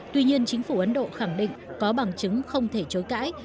tuy nhiên chính phủ ấn độ khẳng định có bằng chứng không thể chối cãi